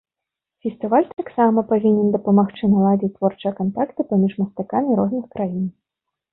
Фестываль таксама павінен дапамагчы наладзіць творчыя кантакты паміж мастакамі розных краін.